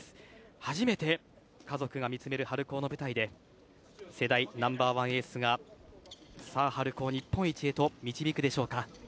初めて家族が見つめる春高の舞台で世代ナンバーワンエースがさあ、春高日本一へと導くでしょうか。